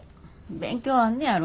勉強あんねやろ。